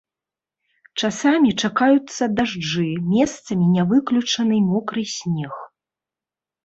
Часамі чакаюцца дажджы, месцамі не выключаны мокры снег.